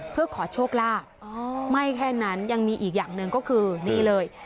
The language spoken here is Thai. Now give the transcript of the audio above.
เพื่อขอโชคลาภไม่แค่นั้นยังมีอีกอย่างหนึ่งก็คือนี่เลย